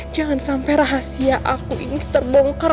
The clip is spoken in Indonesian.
jangan sampai rahasia aku ini terbongkar